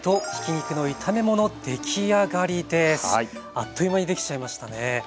あっという間にできちゃいましたね。